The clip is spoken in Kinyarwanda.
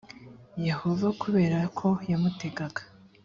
yehova kubera ko yamutegaga